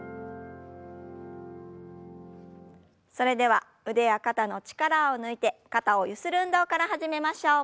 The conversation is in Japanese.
それでは腕や肩の力を抜いて肩をゆする運動から始めましょう。